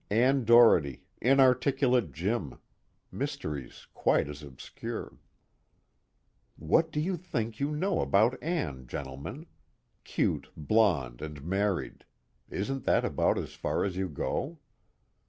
Ann Doherty, inarticulate Jim, mysteries quite as obscure. _What do you think you know about Ann, gentlemen? Cute, blonde, and married: isn't that about as far as you go?